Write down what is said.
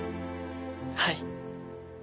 はい。